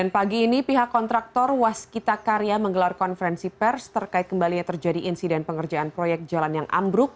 pagi ini pihak kontraktor waskita karya menggelar konferensi pers terkait kembali terjadi insiden pengerjaan proyek jalan yang ambruk